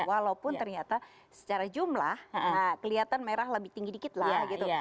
walaupun ternyata secara jumlah kelihatan merah lebih tinggi dikit lah gitu